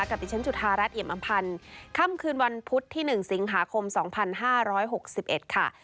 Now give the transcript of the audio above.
กลับไปเชิญจุธารัฐเหยียบอำพันธ์ค่ำคืนวันพุธที่หนึ่งสิงหาคมสองพันห้าร้อยหกสิบเอ็ดค่ะ